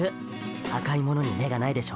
赤いものに目がないでしょ。